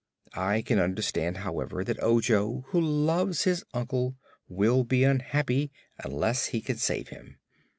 I can understand, however, that Ojo, who loves his uncle, will be unhappy unless he can save him.